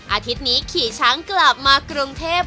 อาทิตย์นี้ขี่ช้างกลับมากรุงเทพ